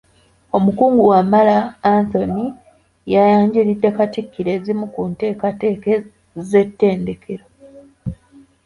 Omukungu Wamala Anthony yayanjulidde Katikkiro ezimu ku nteekateeka z’ettendekero.